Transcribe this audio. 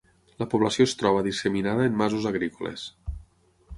La població es troba disseminada en masos agrícoles.